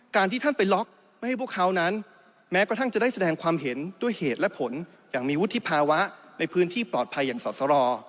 ที่ท่านไปล็อกไม่ให้พวกเขานั้นแม้กระทั่งจะได้แสดงความเห็นด้วยเหตุและผลอย่างมีวุฒิภาวะในพื้นที่ปลอดภัยอย่างสอสร